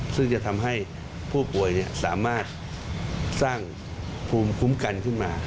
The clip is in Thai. ซึ่งจะทำให้ผู้ป่วยสามารถสร้างภูมิคุ้มกันขึ้นมา